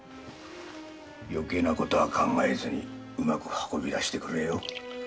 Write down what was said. よけいなことは考えずにうまく運び出してくれ。